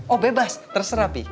oh bebas terserah pih